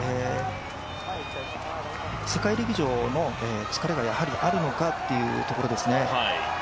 世界陸上の疲れがやはりあるのかというところですね。